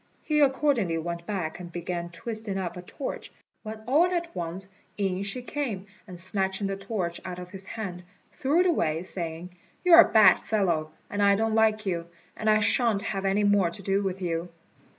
He accordingly went back, and began twisting up a torch, when all at once in she came, and snatching the torch out of his hand, threw it away, saying, "You're a bad fellow, and I don't like you, and I shan't have any more to do with you."